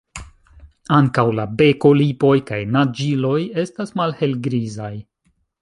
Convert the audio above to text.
Ankaŭ la beko, lipoj kaj naĝiloj estas malhelgrizaj.